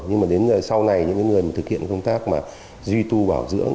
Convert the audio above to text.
nhưng mà đến sau này những người thực hiện công tác duy tu bảo dưỡng